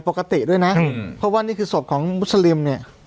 ปกติด้วยนะเพราะว่านี่คือศพของมุสลิมเนี่ย